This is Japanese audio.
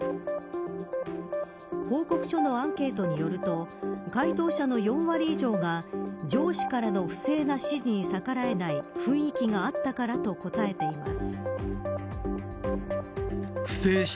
報告書のアンケートによると回答者の４割以上が上司からの不正な指示に逆らえない雰囲気があったからと答えています。